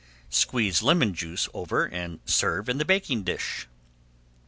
Squeeze lemon juice over and serve in the baking dish.